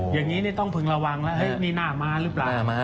อย่างนี้ต้องพึงระวังแล้วมีหน้าม้าหรือเปล่า